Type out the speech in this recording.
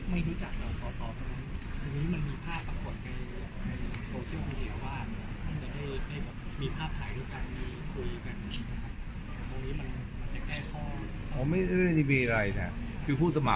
ไม่รู้จักกับสอมันไม่มีแภบกับคนในโซเชียลนี้ว่า